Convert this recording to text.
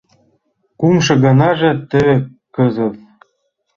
Кумшо ганаже… теве кызыт!